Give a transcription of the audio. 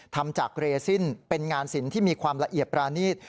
ทำจากเรซินเป็นงานสินที่มีความละเอียดปรานีต